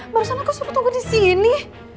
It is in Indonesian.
barusan aku suruh tunggu disini